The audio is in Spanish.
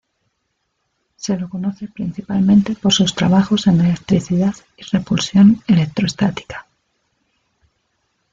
Se lo conoce principalmente por sus trabajos en electricidad y repulsión electrostática.